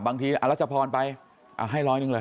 บางทีอรัชพรไปให้ร้อยหนึ่งเลย